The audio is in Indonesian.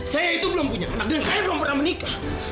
saya itu belum punya anak dan saya belum pernah menikah